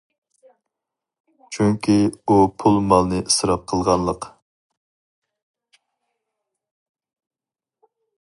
چۈنكى ئۇ پۇل مالنى ئىسراپ قىلغانلىق.